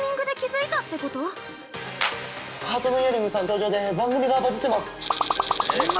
◆ハートのイヤリングさん登場で番組がバズってます！